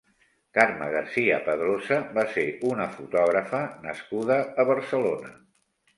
Carme Garcia Padrosa va ser una fotògrafa nascuda a Barcelona.